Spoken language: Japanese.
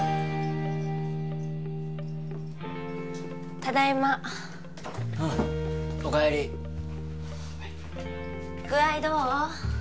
ただいまお帰り具合どう？